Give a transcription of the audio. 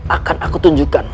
akan aku tunjukkan